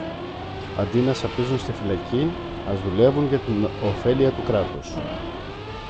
Αντί να σαπίζουν στη φυλακή, ας δουλεύουν για την ωφέλεια του κράτους.